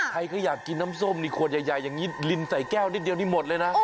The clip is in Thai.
ใครก็อยากกินน้ำส้มนี่ขวดใหญ่อย่างนี้ลินใส่แก้วนิดเดียวนี่หมดเลยนะ